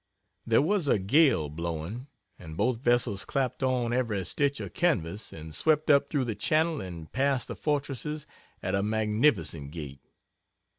There was a gale blowing, and both vessels clapped on every stitch of canvas and swept up through the channel and past the fortresses at a magnificent gait.